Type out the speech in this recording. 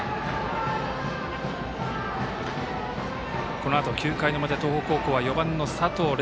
このあと９回の表、東北高校は４番の佐藤玲